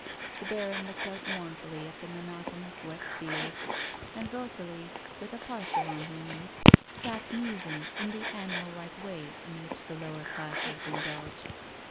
The baron looked out mournfully at the monotonous, wet fields, and Rosalie, with a parcel on her knees, sat musing in the animal like way in which the lower classes indulge.